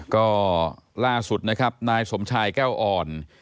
ก็ล่าสุดนะครับนายสมชายแก้วอ่อน